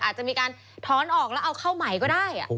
อาจจะมีการถอนออกแล้วเอาเข้าใหม่ก็ได้